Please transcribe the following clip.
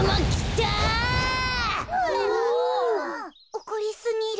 おこりすぎる。